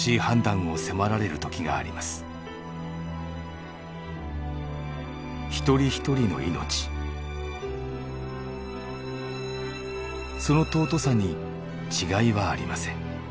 その尊さに違いはありません。